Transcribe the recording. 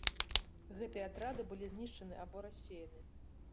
Гэтыя атрады былі знішчаны або рассеяны.